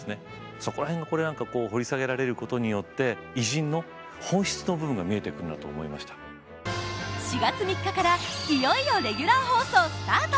そこら辺を掘り下げられることによって４月３日からいよいよレギュラー放送スタート！